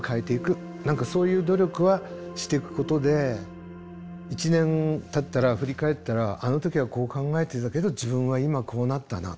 何かそういう努力はしていくことで１年たったら振り返ったらあの時はこう考えていたけど自分は今こうなったな。